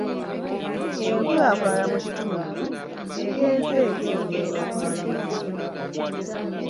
Enkulaakulana mu kitundu egenze ekendeera okumala emyaka.